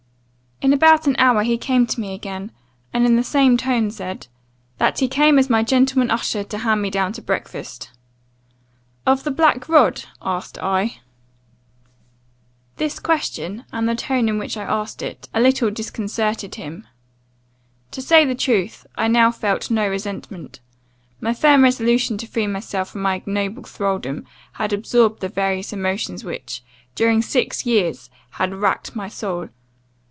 "In about an hour he came to me again; and in the same tone said, 'That he came as my gentleman usher to hand me down to breakfast. "'Of the black rod?' asked I. "This question, and the tone in which I asked it, a little disconcerted him. To say the truth, I now felt no resentment; my firm resolution to free myself from my ignoble thraldom, had absorbed the various emotions which, during six years, had racked my soul.